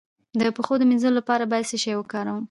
د پښو د مینځلو لپاره باید څه شی وکاروم؟